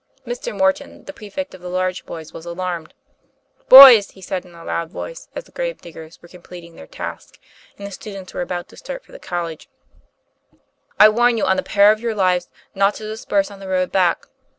Mr. Morton, the prefect of the large boys, was alarmed. "Boys, "he said in a loud voice, as the grave diggers were completing their task, and the students were about to start for the college, " I warn you, on peril of your lives, not to disperse on the road back.